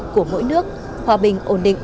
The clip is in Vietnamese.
của mỗi nước hòa bình ổn định